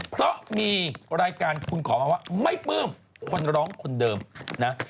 เพราะมีรายการคุณขอมาว่าไม่ปลื้มคนร้องคนเดิมนะ